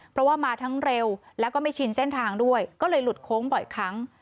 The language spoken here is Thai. เพราะว่ามาทั้งเร็วแล้วก็ไม่ชินเส้นทางด้วยก็เลยหลุดโค้งบ่อยครั้ง